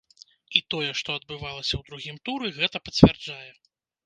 І тое, што адбывалася ў другім туры, гэта пацвярджае.